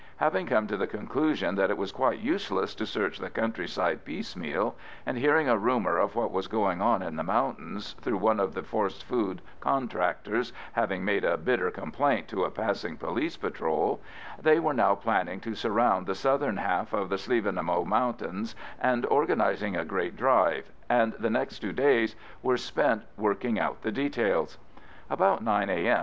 Having come to the conclusion that it was quite useless to search the countryside piecemeal, and hearing a rumour of what was going on in the mountains through one of the forced food contractors having made a bitter complaint to a passing police patrol, they were now planning to surround the southern half of the Slievenamoe Mountains, and organising a great drive, and the next two days were spent working out the details. About 9 A.M.